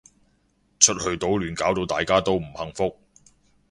出去搗亂搞到大家都唔幸福